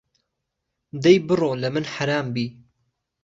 دهی بڕۆ له من حهرام بی